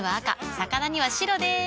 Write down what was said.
魚には白でーす。